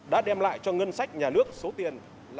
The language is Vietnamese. đã đem lại cho ngân sách nhà nước số tiền là hai mươi bốn năm trăm linh